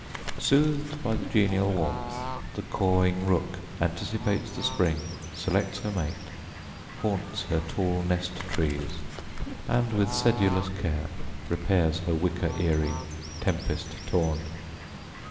Sooth'd by the genial warmth, the cawing rook Anticipates the spring, selects her mate, Haunts her tall nest trees, and with sedulous care Repairs her wicker eyrie, tempest torn.